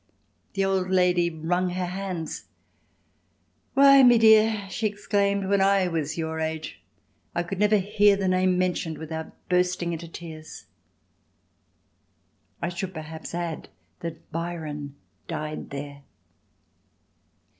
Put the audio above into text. The old lady wrung her hands: "Why, me dear," she exclaimed, "when I was your age I could never hear the name mentioned without bursting into tears." I should perhaps add that Byron died there.